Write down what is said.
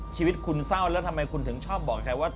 ชีวิตคุณเศร้าแล้วทำไมคุณถึงชอบบอกใครว่า